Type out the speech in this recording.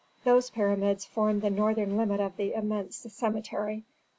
Those pyramids formed the northern limit of the immense cemetery.